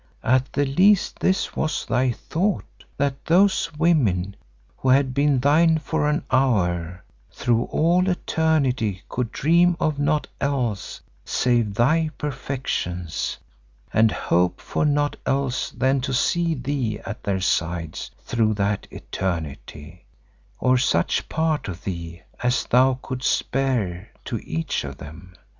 At the least this was thy thought, that those women who had been thine for an hour, through all eternity could dream of naught else save thy perfections, and hope for naught else than to see thee at their sides through that eternity, or such part of thee as thou couldst spare to each of them.